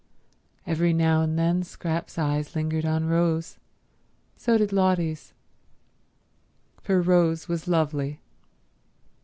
Every now and then Scrap's eyes lingered on Rose; so did Lotty's. For Rose was lovely.